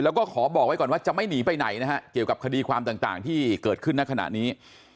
แล้วก็ขอบอกไว้ก่อนว่าจะไม่หนีไปไหนนะฮะเกี่ยวกับคดีความต่างที่เกิดขึ้นในขณะนี้